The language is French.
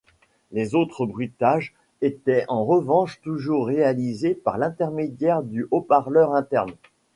Les autres bruitages étaient en revanche toujours réalisés par l’intermédiaire du haut-parleur interne.